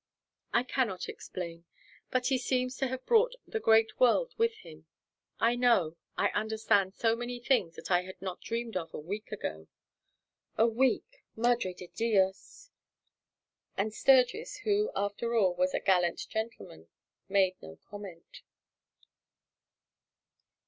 "I cannot explain, but he seems to have brought the great world with him. I know, I understand so many things that I had not dreamed of a week ago. A week! Madre de Dios!" And Sturgis, who after all was a gallant gentleman, made no comment.